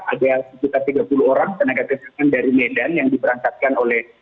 ada sekitar tiga puluh orang tenaga kesehatan dari medan yang diberangkatkan oleh